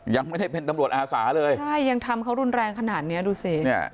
ยังไม่ได้เป็นตำรวจอาสาเลยใช่ยังทำเขารุนแรงขนาดเนี้ยดูสิเนี่ย